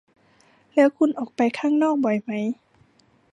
แล้วคุณออกไปข้างนอกบ่อยไหม ?